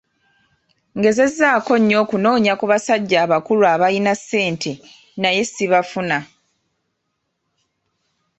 Ngezezzaako nnyo okunoonya ku basajja abakulu aabalina ssente naye sibafuna!